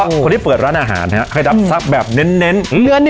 คนที่เปิดร้านอาหารให้รับทรัพย์แบบเน้น